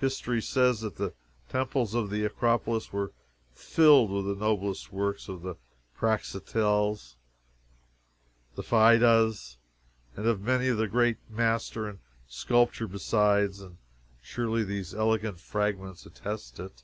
History says that the temples of the Acropolis were filled with the noblest works of Praxiteles and Phidias, and of many a great master in sculpture besides and surely these elegant fragments attest it.